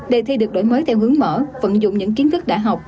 đề thi được đổi mới theo hướng mở vận dụng những kiến thức đại học